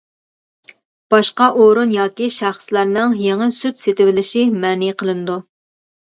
باشقا ئورۇن ياكى شەخسلەرنىڭ يېڭى سۈت سېتىۋېلىشى مەنئى قىلىنىدۇ.